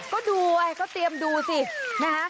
ก็ดูเว้ยก็เตรียมดูสินะ